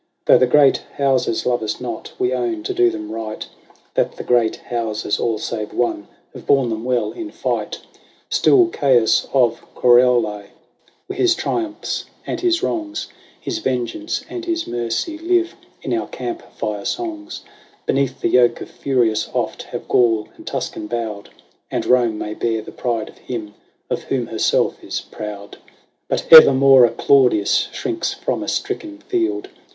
Though the great houses love us not, we own, to do them right. That the great houses, all save one, have borne them well in fight. 172 LAYS OF ANCIENT ROME. Still Caius of Corioli, his triumphs, and his wrongs, His vengeance, and his mercy, live in our camp fire songs. Beneath the yoke of Furius oft have Gaul and Tuscan bowed ; And Rome may bear the pride of him of whom herself is proud. But evermore a Claudius shrinks from a stricken field.